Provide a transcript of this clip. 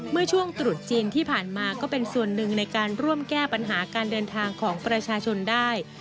เมื่อช่วงตรุษจีนที่ผ่านมาก็เป็นส่วนหนึ่งในการร่วมแก้ปัญหาการเดินทางของประชาชนได้